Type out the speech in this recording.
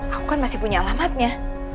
aku kan masih punya alamatnya